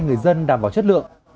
người dân đảm bảo chất lượng